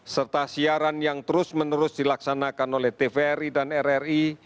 serta siaran yang terus menerus dilaksanakan oleh tvri dan rri